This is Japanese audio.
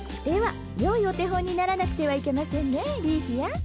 ではよいお手本にならなくてはいけませんねリーフィア。